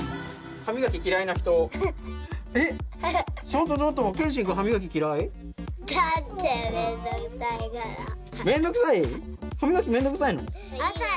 歯みがきめんどくさいの？